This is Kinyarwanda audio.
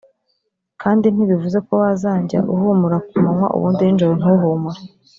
kandi ntibivuze ko wazanjya uhumura ku manywa ubundi n’ijoro ntuhumure